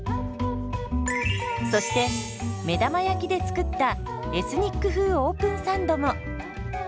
そして目玉焼きで作ったエスニック風オープンサンドも。